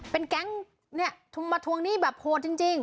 เป็นแก๊งเนี่ยมาทวงหนี้แบบโหดจริง